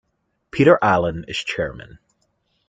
Peter Allen is chairman.